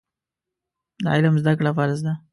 د علم زده کړه فرض ده.